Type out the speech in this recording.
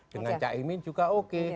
dengan cak imin juga oke